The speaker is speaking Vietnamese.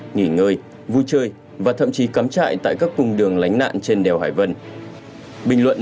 nghỉ ngơi vui chơi và thậm chí cắm trại tại các cung đường lánh nạn trên đèo hải vân bình luận